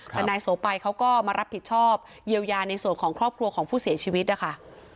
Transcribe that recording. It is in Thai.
แต่นายโสไปเขาก็มารับผิดชอบเยียวยาในส่วนของครอบครัวของผู้เสียชีวิตนะคะ